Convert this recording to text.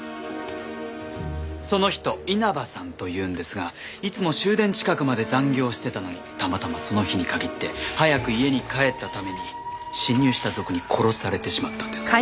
その人稲葉さんというんですがいつも終電近くまで残業してたのにたまたまその日に限って早く家に帰ったために侵入した賊に殺されてしまったんです。